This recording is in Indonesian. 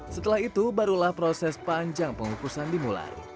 setelah itu barulah proses panjang pengukusan dimulai